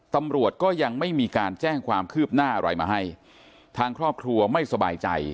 ตำรวจก็ยังไม่มีการแจ้งความคืบหน้าอะไรมาให้ทางครอบครัวไม่สบายใจ